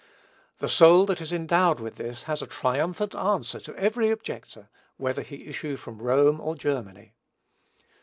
The soul that is endowed with this has a triumphant answer to every objector, whether he issue from Rome or Germany.